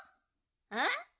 えっ？